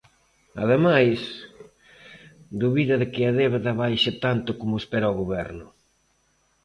Ademais, dubida de que a débeda baixe tanto como espera o Goberno.